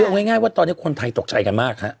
เอาง่ายว่าตอนนี้คนไทยตกใจกันมากฮะ